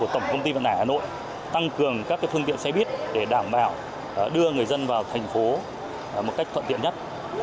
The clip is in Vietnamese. tổng công ty vận hải hà nội tăng cường các phương tiện xe bít để đảm bảo đưa người dân vào thành phố một cách thuận lợi nhất